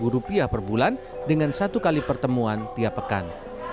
rp lima per bulan dengan satu kali pertemuan tiap pekan